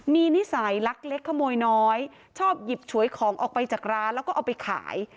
มีนิสัยลักเล็กขโมยน้อยชอบหยิบฉวยของออกไปจากร้านแล้วก็เอาไปขาย